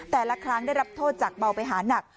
แต่ละครั้งได้รับโทษจากเบาไปหานัก